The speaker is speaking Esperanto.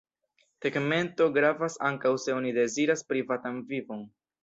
Tegmento gravas ankaŭ se oni deziras privatan vivon.